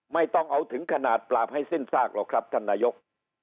ไม่ต้องเอาถึงขนาดปราบให้สิ้นซากหรอกครับท่านนายก